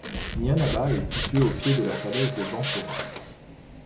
Nianaba est située au pied de la falaise de Banfora.